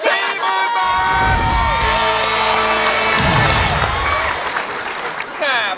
๔หมื่นบาท